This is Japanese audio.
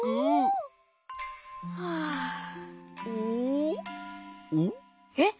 はあえっ！？